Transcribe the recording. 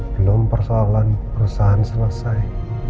belum persoalan perusahaan selesai